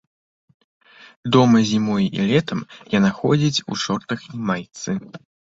Дома зімой і летам яна ходзіць у шортах і майцы.